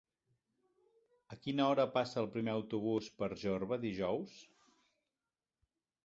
A quina hora passa el primer autobús per Jorba dijous?